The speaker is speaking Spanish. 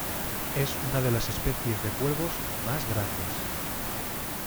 Es una de las especies de cuervos más grandes.